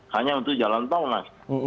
hanya untuk jalan tol mas